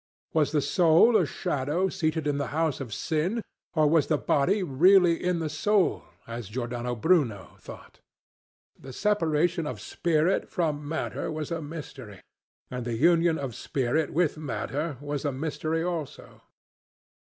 Was the soul a shadow seated in the house of sin? Or was the body really in the soul, as Giordano Bruno thought? The separation of spirit from matter was a mystery, and the union of spirit with matter was a mystery also.